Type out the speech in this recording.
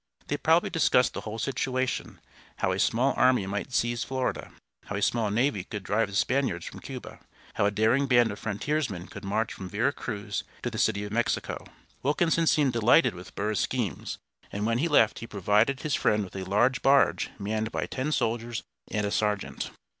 They probably discussed the whole situation: how a small army might seize Florida, how a small navy could drive the Spaniards from Cuba, how a daring band of frontiersmen could march from Vera Cruz to the city of Mexico. Wilkinson seemed delighted with Burr's schemes, and when he left he provided his friend with a large barge manned by ten soldiers and a sergeant.